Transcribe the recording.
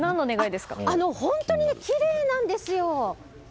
本当にきれいなんですよ。